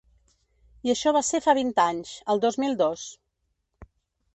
I això va ser fa vint anys, el dos mil dos.